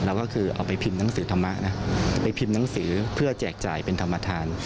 ก็คือเอาไปพิมพ์หนังสือธรรมะนะไปพิมพ์หนังสือเพื่อแจกจ่ายเป็นธรรมทาน